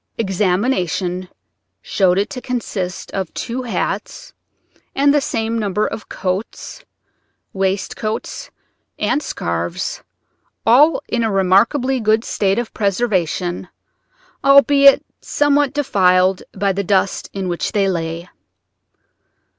Examination showed it to consist of two hats, and the same number of coats, waistcoats, and scarves all in a remarkably good state of preservation, albeit somewhat defiled by the dust in which they lay.